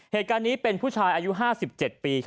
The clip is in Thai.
เหตุการณ์นี้เป็นผู้ชายอายุ๕๗ปี